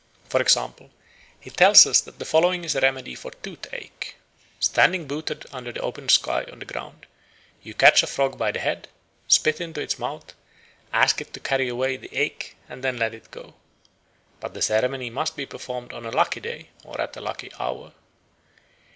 For example, he tells us that the following is a remedy for toothache. Standing booted under the open sky on the ground, you catch a frog by the head, spit into its mouth, ask it to carry away the ache, and then let it go. But the ceremony must be performed on a lucky day and at a lucky hour.